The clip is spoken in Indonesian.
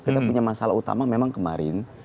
karena hal utama memang kemarin